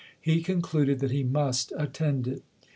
He concluded that he must attend it.